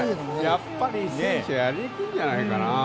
やっぱり選手はやりにくいんじゃないかな。